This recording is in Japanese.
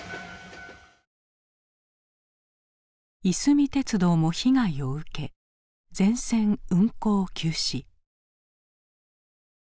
いすみ鉄道も被害を受け全線運行休止。